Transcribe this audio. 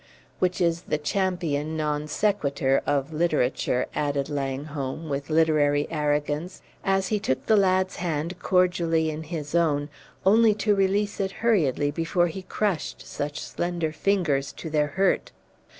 '" "Which is the champion non sequitur of literature," added Langholm, with literary arrogance, as he took the lad's hand cordially in his own, only to release it hurriedly before he crushed such slender fingers to their hurt.